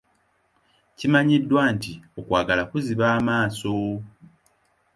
Kimanyiddwa nti, okwagala kuziba amaaso.